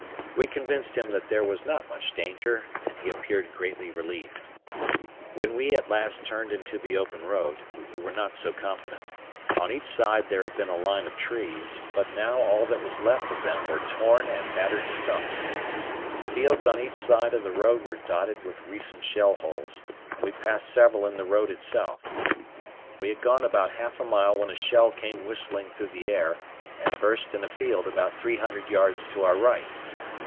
We convinced him that there was not much danger, and he appeared greatly relieved. When we at last turned into the open road, we were not so confident. On each side there had been a line of trees, but now, all that was left of them were torn and battered stumps. The fields on each side of the road were dotted with recent shell holes, and we passed several in the road itself. We had gone about half a mile when a shell came whistling through the air, and burst in a field about three hundred yards to our right.